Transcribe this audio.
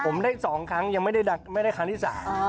ผมได้๒ครั้งยังไม่ได้ครั้งที่๓